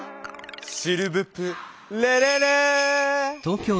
シルヴプレレレ！